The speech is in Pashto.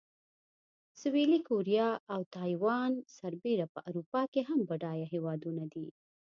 سویلي کوریا او تایوان سربېره په اروپا کې هم بډایه هېوادونه دي.